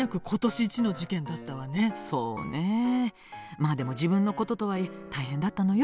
まあでも自分のこととはいえ大変だったのよ。